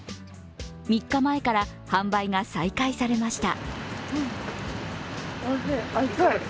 ３日前から販売が再開されました。